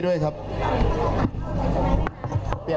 ด้วยครับเปลี่ยน